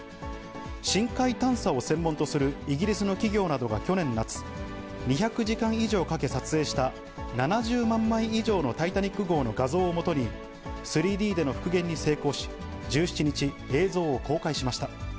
深海探査を専門とするイギリスの企業などが去年夏、２００時間以上かけ撮影した７０万枚以上のタイタニック号の画像をもとに、３Ｄでの復元に成功し、１７日、映像を公開しました。